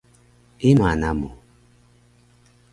Ima namu?